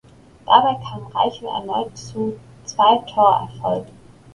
Dabei kam Reichel erneut zu zwei Torerfolgen.